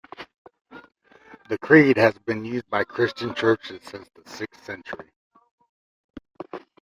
The creed has been used by Christian churches since the sixth century.